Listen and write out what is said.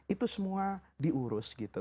itu semua diurus gitu